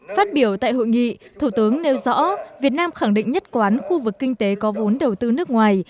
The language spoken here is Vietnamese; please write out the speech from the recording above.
phát biểu tại hội nghị thủ tướng nêu rõ việt nam khẳng định nhất quán khu vực kinh tế có vốn đầu tư nước ngoài